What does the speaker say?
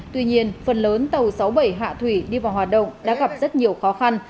tuy nhiên phần lớn tàu sáu mươi bảy hạ thủy đi vào hoạt động đã gặp rất nhiều khó khăn